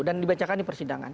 dan dibacakan di persidangan